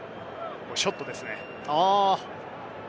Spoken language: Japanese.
ショットですね。